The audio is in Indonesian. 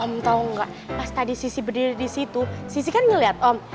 om tau gak pas tadi sisi berdiri disitu sisi kan ngeliat om